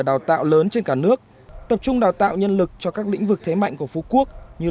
đào tạo lớn trên cả nước tập trung đào tạo nhân lực cho các lĩnh vực thế mạnh của phú quốc như